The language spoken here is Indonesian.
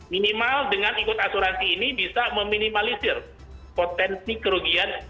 minimal dengan ikut asuransi ini bisa meminimalisir potensi kerugian